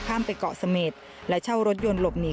ข้ามไปเกาะสเมษและเช่ารถยนต์หลบหนี